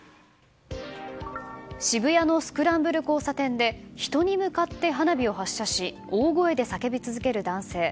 渋谷のスクランブル交差点で人に向かって花火を発射し大声で叫び続ける男性。